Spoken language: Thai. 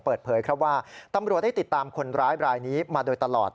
เปิดเผยครับว่าตำรวจได้ติดตามคนร้ายบรายนี้มาโดยตลอด